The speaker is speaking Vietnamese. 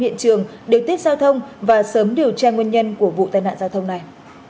hiện trường điều tiết giao thông và sớm điều tra nguyên nhân của vụ tai nạn giao thông này